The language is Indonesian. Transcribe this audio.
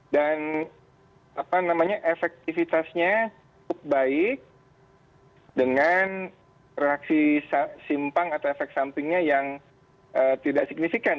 dan efektivitasnya cukup baik dengan reaksi simpang atau efek sampingnya yang tidak signifikan